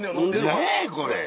何やこれ！